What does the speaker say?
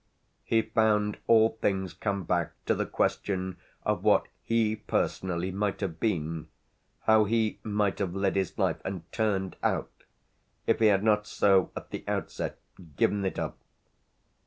He found all things come back to the question of what he personally might have been, how he might have led his life and "turned out," if he had not so, at the outset, given it up.